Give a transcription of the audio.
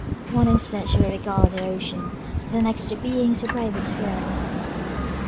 One instant she would regard the ocean, the next the beings who braved its fury.